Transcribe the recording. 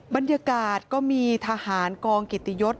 บรรยากาศก็มีทหารกองกิตยศ